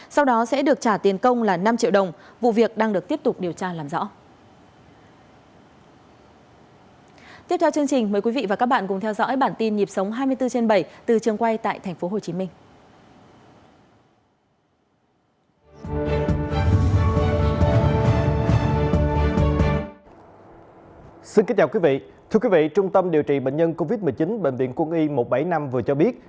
sau đó sẽ được trả tiền công là năm triệu đồng vụ việc đang được tiếp tục điều tra làm rõ